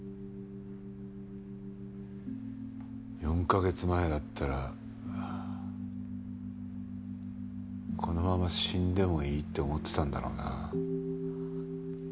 ４カ月前だったらこのまま死んでもいいって思ってたんだろうな。